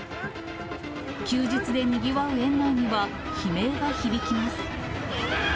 休日でにぎわう園内には、悲鳴が響きます。